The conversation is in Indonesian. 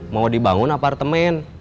mau dibangun apartemen